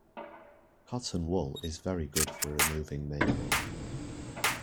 Cotton wool is very good for removing make-up